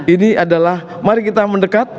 ini adalah mari kita mendekat